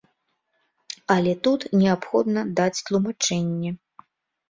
Але тут неабходна даць тлумачэнне.